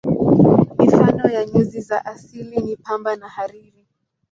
Mifano ya nyuzi za asili ni pamba na hariri.